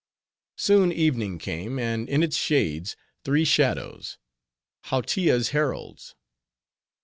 Soon evening came, and in its shades, three shadows,—Hautia's heralds.